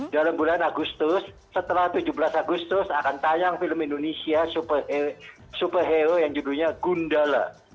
dalam bulan agustus setelah tujuh belas agustus akan tayang film indonesia superhero yang judulnya gundala